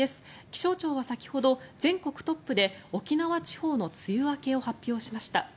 気象庁は先ほど、全国トップで沖縄地方の梅雨明けを発表しました。